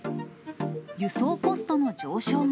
輸送コストの上昇が。